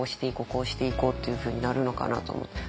こうしていこう」っていうふうになるのかなと思って。